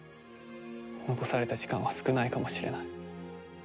残された時間は少ないかもしれない。